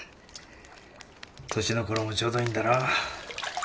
年の頃もちょうどいいんだろ？